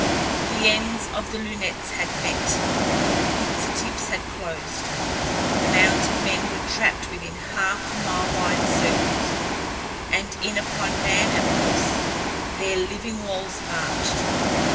The ends of the lunettes had met, the pincer tips had closed. The mounted men were trapped within half mile wide circles. And in upon man and horse their living walls marched.